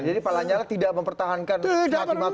jadi pak lanyala tidak mempertahankan mati matian gitu ya